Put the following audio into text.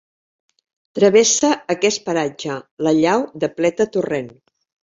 Travessa aquest paratge la llau de Pleta Torrent.